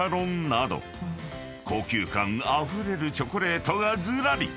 ［高級感あふれるチョコレートがずらり］